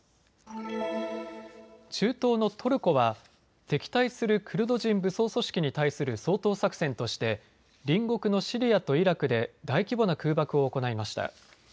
中東のトルコは敵対するクルド人武装組織に対する掃討作戦として隣国のシリアとイラクで大規模な空爆を行いました。